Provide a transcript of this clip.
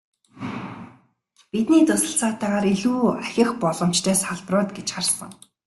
Бидний туслалцаатайгаар илүү ахих боломжтой салбарууд гэж харсан.